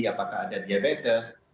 apakah ada diabetes